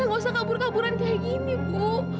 nggak usah kabur kaburan kayak gini ibu